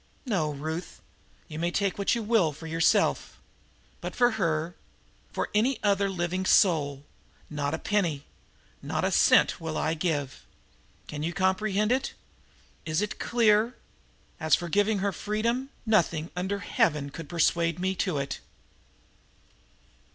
No, Ruth, you may take what you will for yourself, but for her, for any other living soul, not a penny, not a cent will I give. Can you comprehend it? Is it clear? As for giving her freedom, nothing under Heaven could persuade me to it!"